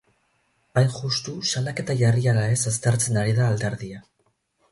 Hain justu, salaketa jarri ala ez aztertzen ari da alderdia.